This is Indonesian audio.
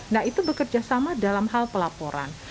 nah itu bekerja sama dalam hal pelaporan